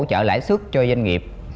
hỗ trợ lãi suất cho doanh nghiệp